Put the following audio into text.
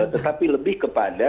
tetapi lebih kepada